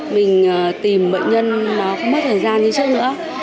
mình tìm bệnh nhân nó không mất thời gian như trước nữa